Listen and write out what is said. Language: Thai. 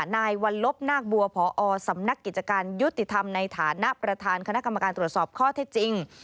นายวัลลบนาคบัวพอสำนักกิจการยุติธรรมในฐานะประธานคณะกรรมการตรวจสอบข้อเท็จจริง